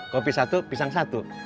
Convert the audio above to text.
kopi satu pisang satu